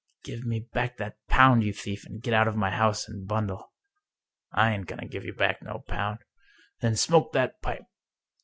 " Give me back that pound, you thief, and get out of my house, and bundle." " I ain't going to give you back no pound." ' "Then smoke that pipe!"